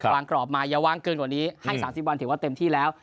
กรอบมาอย่าว่างเกินกว่านี้ให้๓๐วันถือว่าเต็มที่แล้ว